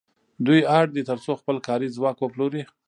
دوی اړ دي تر څو خپل کاري ځواک وپلوري